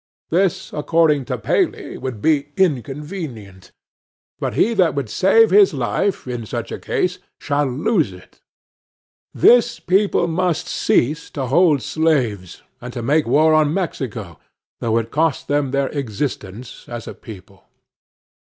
This, according to Paley, would be inconvenient. But he that would save his life, in such a case, shall lose it. This people must cease to hold slaves, and to make war on Mexico, though it cost them their existence as a people.